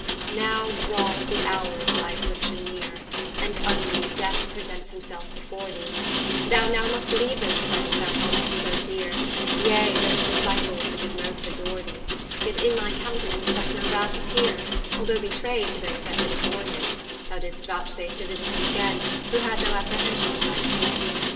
Now drawes the houre of thy affliction neere, And vgly Death presents himselfe before thee; Thou now must leaue those Friends thou held'st so deere, Yea those Disciples, who did most adore thee; Yet in thy countenance doth no Wrath appeare, Although betrayd to those that did abhorre thee: Thou did'st vouchsafe to visit them againe, Who had no apprehension of thy paine.